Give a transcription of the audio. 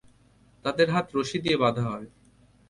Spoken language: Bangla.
তাদের হাত রশি দিয়ে বাঁধা হয়।